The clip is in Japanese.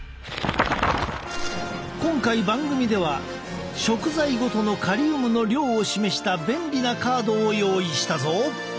今回番組では食材ごとのカリウムの量を示した便利なカードを用意したぞ。